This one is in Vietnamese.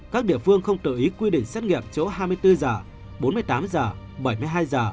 các địa phương không tự ý quy định xét nghiệm chỗ hai mươi bốn h bốn mươi tám h bảy mươi hai h